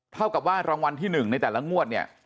เท่ากับว่ารางวัลที่๑ในแต่ละงวดเนี่ย